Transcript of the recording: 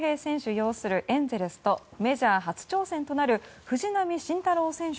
擁するエンゼルスとメジャー初挑戦となる藤浪晋太郎選手